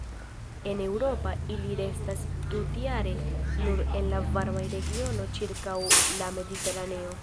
En Eŭropa ili restas tutjare nur en la varmaj regionoj ĉirkaŭ la Mediteraneo.